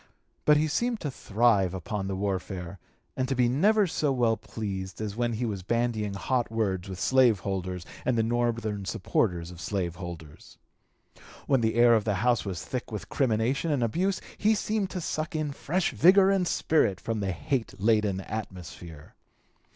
But he seemed to thrive upon the warfare, and to be never so well pleased as when he was bandying hot words with slave holders and the Northern supporters of slave holders. When (p. 230) the air of the House was thick with crimination and abuse he seemed to suck in fresh vigor and spirit from the hate laden atmosphere.